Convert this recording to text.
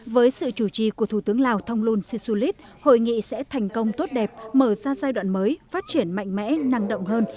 với sự chủ trì của thủ tướng lào thông luân si su lít hội nghị sẽ thành công tốt đẹp mở ra giai đoạn mới phát triển mạnh mẽ năng động hơn